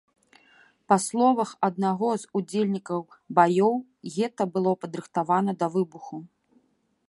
Па словах аднаго з удзельнікаў баёў, гета было падрыхтавана да выбуху.